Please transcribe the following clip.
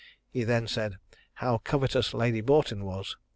He then said, "how covetous Lady Boughton was!